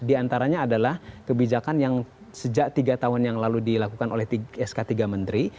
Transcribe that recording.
di antaranya adalah kebijakan yang sejak tiga tahun yang lalu dilakukan oleh sk tiga menteri